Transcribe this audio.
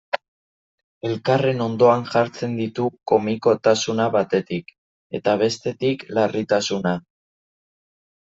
Elkarren ondoan jartzen ditu komikotasuna batetik, eta bestetik, larritasuna.